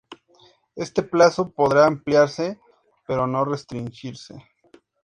Este plazo podrá ampliarse, pero no restringirse".